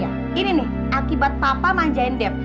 ya ini nih akibat papa manjain dep